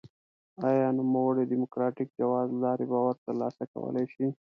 آیا نوموړی د ډیموکراټیک جواز له لارې باور ترلاسه کولای شي؟